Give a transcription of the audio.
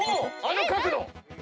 あの角度！